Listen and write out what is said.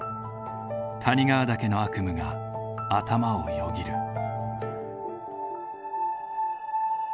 谷川岳の悪夢が頭をよぎる。